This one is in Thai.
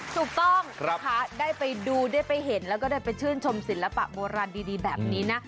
ถูกต้องนะคะได้ไปดูได้ไปเห็นแล้วก็ได้ไปชื่นชมศิลปะโบราณดีแบบนี้นะ